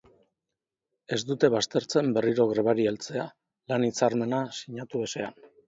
Ez dute baztertzen berriro grebari heltzea, lan-hitzarmena sinatu ezean.